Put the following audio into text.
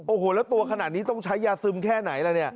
โอ้โหแล้วตัวขนาดนี้ต้องใช้ยาซึมแค่ไหนล่ะเนี่ย